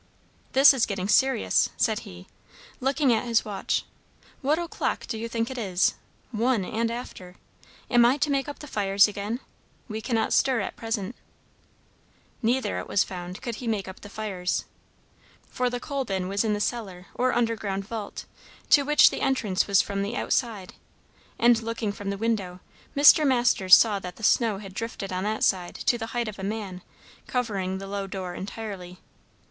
"This is getting serious!" said he, looking at his watch. "What o'clock do you think it is? One, and after. Am I to make up the fires again? We cannot stir at present." Neither, it was found, could he make up the fires. For the coal bin was in the cellar or underground vault, to which the entrance was from the outside; and looking from the window, Mr. Masters saw that the snow had drifted on that side to the height of a man, covering the low door entirely.